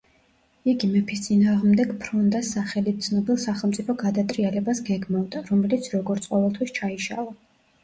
იგი მეფის წინააღმდეგ ფრონდას სახელით ცნობილ სახელმწიფო გადატრიალებას გეგმავდა რომელიც როგორც ყოველთვის ჩაიშალა.